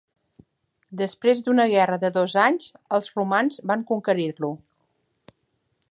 Després d'una guerra de dos anys els romans van conquerir-lo.